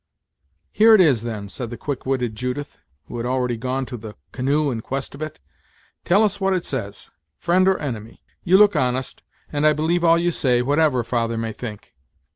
"Here it is, then," said the quick witted Judith, who had already gone to the canoe in quest of it. "Tell us what it says; friend or enemy. You look honest, and I believe all you say, whatever father may think."